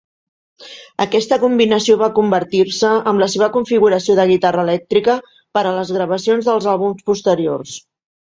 Aquesta combinació va convertir-se en la seva configuració de guitarra elèctrica per a les gravacions dels àlbums posteriors.